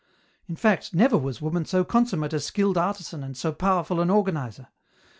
In fact, never was woman so consummate a skilled artisan and so powerful an organizer.